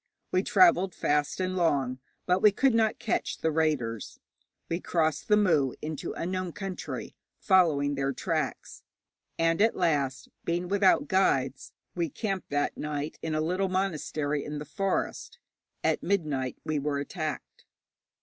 We travelled fast and long, but we could not catch the raiders. We crossed the Mu into unknown country, following their tracks, and at last, being without guides, we camped that night in a little monastery in the forest. At midnight we were attacked.